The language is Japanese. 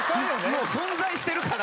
もう存在してるから。